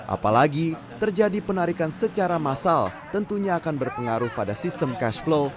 apalagi terjadi penarikan secara massal tentunya akan berpengaruh pada sistem cash flow